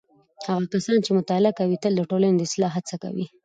هغه کسان چې مطالعه کوي تل د ټولنې د اصلاح هڅه کوي.